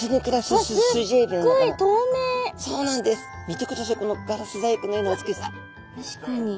確かに。